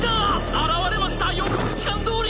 現れました予告時間どおり！